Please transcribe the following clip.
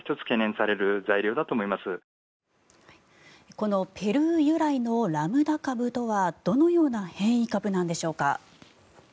このペルー由来のラムダ株とはどのような変異株なんでしょうか。